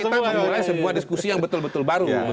kita memulai sebuah diskusi yang betul betul baru